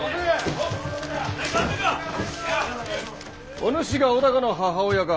お主が尾高の母親か。